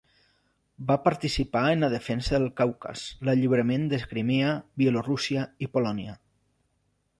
Va participar en la defensa del Caucas, l'alliberament de Crimea, Bielorússia i Polònia.